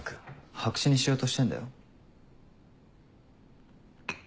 白紙にしようとしてんだよ？